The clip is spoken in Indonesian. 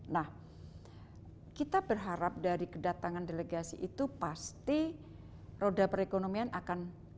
nah kita berharap dari kedatangan delegasi itu pasti roda perekonomian akan